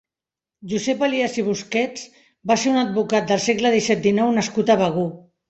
Josep Elies i Bosquets va ser un advocat del segle disset-dinou nascut a Begur.